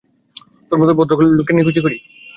তোর মতো ভদ্রলোকের নিকুচি করি!